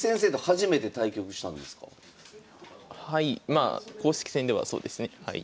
まあ公式戦ではそうですねはい。